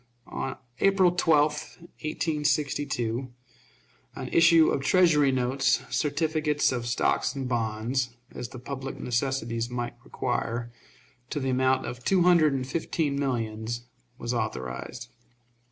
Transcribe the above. On April 12, 1862, an issue of Treasury notes, certificates of stock and bonds, as the public necessities might require, to the amount of two hundred and fifteen millions, was authorized.